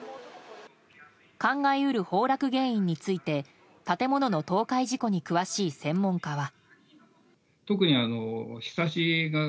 考え得る崩落原因について建物の倒壊事故に詳しい専門家は。